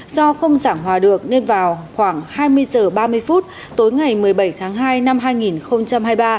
do không giảng hòa được nên vào khoảng hai mươi h ba mươi phút tối ngày một mươi bảy tháng hai năm hai nghìn hai mươi ba